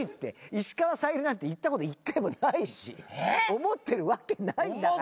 石川さゆりなんて言ったこと１回もないし思ってるわけないんだから。